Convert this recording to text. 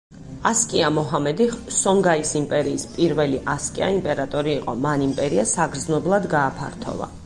ასკია მოჰამედი სონგაის იმპერიის პირველი ასკია იმპერატორი იყო, მან იმპერია საგრძნობლად გააფართოვა.